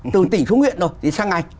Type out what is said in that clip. từ tỉnh xuống huyện rồi thì sang ngành